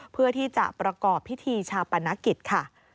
เพื่อที่จะประกอบพิธีชาปนกิจค่ะ